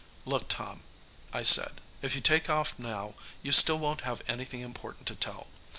"Look, Tom," I said, "if you take off now, you still won't have anything important to tell.